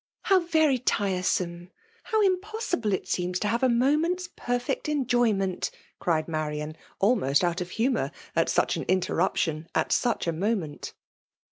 *^How very tiresome! — how impessBite il seems to have a moraenlfs perfect cnjoymaitl'* cried Marian, almost out of* humour at stnft an interruption at such a moment.